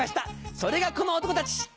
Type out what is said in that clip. それがこの男たち！